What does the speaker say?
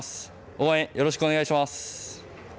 応援、よろしくお願いします。